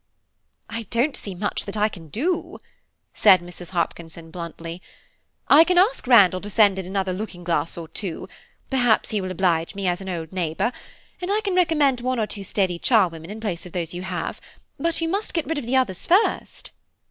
"I don't see much that I can do," said Mrs. Hopkinson bluntly, "I can ask Randall to send in another looking glass or two–perhaps he will oblige me as an old neighbour–and I can recommend one or two steady charwomen in place of those you have; but you must get rid of the others first."